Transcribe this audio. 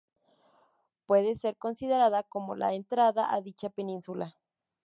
Puede ser considerada como la "entrada" a dicha península.